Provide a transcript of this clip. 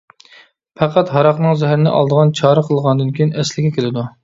پەقەت ھاراقنىڭ زەھىرىنى ئالىدىغان چارە قىلغاندىن كېيىن ئەسلىگە كېلىدۇ.